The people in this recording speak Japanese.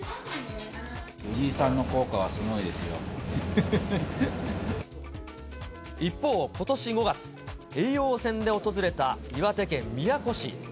藤井さんの効果はすごいです一方、ことし５月、叡王戦で訪れた岩手県宮古市。